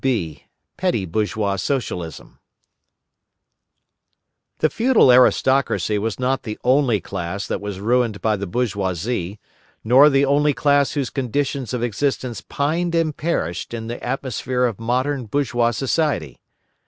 B. Petty Bourgeois Socialism The feudal aristocracy was not the only class that was ruined by the bourgeoisie, not the only class whose conditions of existence pined and perished in the atmosphere of modern bourgeois society.